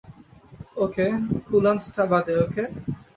ওকে, কুল্যান্টটা বাদে, ওকে?